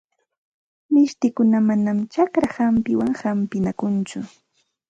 Mishtikuna manam chakra hampiwan hampinakunchu.